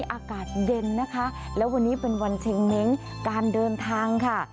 อากาศเย็นนะคะแล้ววันนี้เป็นวันเช้งเม้งการเดินทางค่ะ